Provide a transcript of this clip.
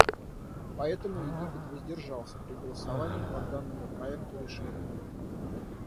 Поэтому Египет воздержался при голосовании по данному проекту решения.